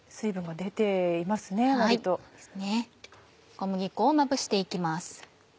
小麦粉をまぶして行きます。